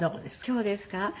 今日ですか？